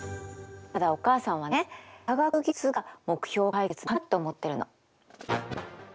ただお母さんはね科学技術が目標解決の鍵だって思ってるの。